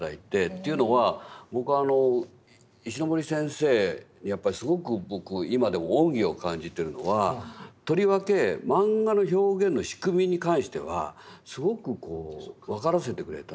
というのは僕は石森先生やっぱりすごく僕今でも恩義を感じてるのはとりわけマンガの表現の仕組みに関してはすごく分からせてくれた。